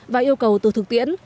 và yêu cầu từ thực tiễn